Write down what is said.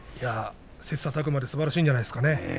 切さたく磨ですばらしいんじゃないですかね